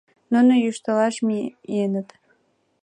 Нуно йӱштылаш миеныт.